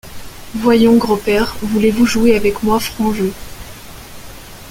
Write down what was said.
Voyons, gros père, voulez-vous jouer avec moi franc jeu?